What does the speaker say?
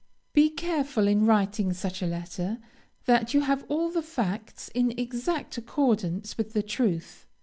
Be careful in writing such a letter that you have all the facts in exact accordance with the truth.